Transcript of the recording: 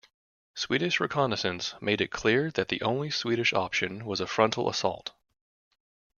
Swedish reconnaissance made it clear that the only Swedish option was a frontal assault.